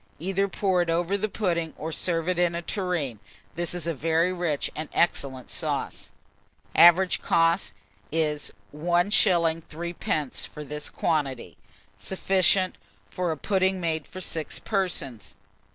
Either pour it over the pudding, or serve in a tureen. This is a very rich and excellent sauce. Average cost, 1s. 3d. for this quantity. Sufficient for a pudding made for 6 persons.